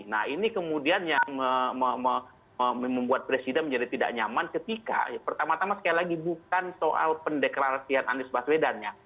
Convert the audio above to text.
nah ini kemudian yang membuat presiden menjadi tidak nyaman ketika pertama tama sekali lagi bukan soal pendeklarasian anies baswedannya